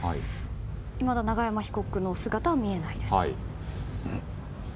いまだ永山被告の姿は見えないです。